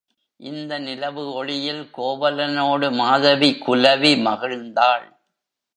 இந்த நிலவு ஒளியில் கோவலனோடு மாதவி குலவி மகிழ்ந்தாள்.